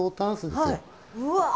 うわ。